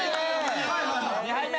２杯目。